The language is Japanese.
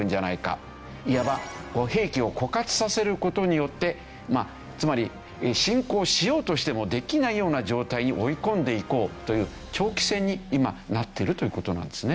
いわば兵器を枯渇させる事によってつまり侵攻しようとしてもできないような状態に追い込んでいこうという長期戦に今なっているという事なんですね。